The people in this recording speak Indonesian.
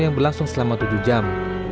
yang berlangsung selama tujuh jam